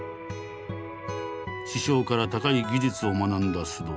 師匠から高い技術を学んだ須藤。